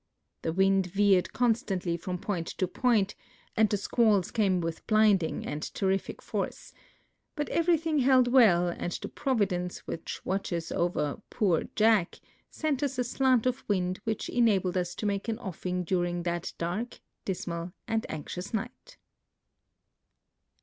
The wind veered constantly from point to point, and the sipialls can)e with blinding and terrific force; but everything held well, and the Providence which watches over " poor Jack " sent us a slant of wind which enabled us to make an olHng during that dark, dismal, and anxious night.